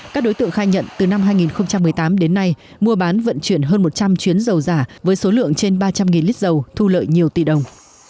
các đối tượng khai nhận từ năm hai nghìn một mươi tám đến nay mua bán vận chuyển hơn một trăm linh chuyến dầu giả với số lượng trên ba trăm linh lít dầu thu lợi nhiều tỷ đồng